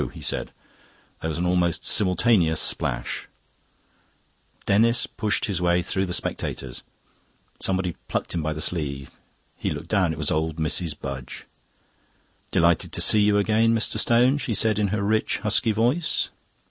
he said. There was an almost simultaneous splash. Denis pushed his way through the spectators. Somebody plucked him by the sleeve; he looked down. It was old Mrs. Budge. "Delighted to see you again, Mr. Stone," she said in her rich, husky voice.